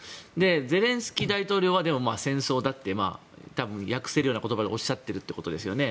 ゼレンスキー大統領はでも、戦争だって多分訳せるような言葉でおっしゃっているということですよね。